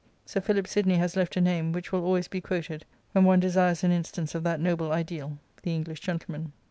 Sir Philip Sidney has left a name which will always be quoted when one desires an instance of that noble ideal, the English gentleman.